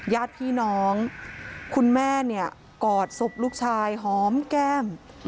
ญาติพี่น้องคุณแม่เนี่ยกอดศพลูกชายหอมแก้ม